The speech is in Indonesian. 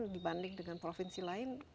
dibandingkan dengan provinsi lain